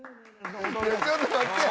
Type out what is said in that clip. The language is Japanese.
ちょっと待ってや。